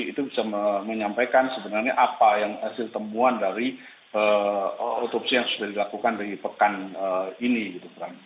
itu bisa menyampaikan sebenarnya apa yang hasil temuan dari otopsi yang sudah dilakukan di pekan ini gitu